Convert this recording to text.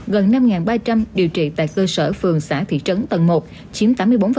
gần năm ba trăm linh điều trị tại cơ sở phường xã thị trấn tầng một chiếm tám mươi bốn